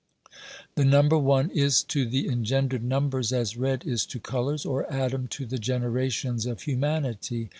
The number one is to the engendered numbers as red is to colours, or Adam to the generations of humanity.